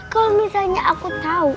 kalo misalnya aku tau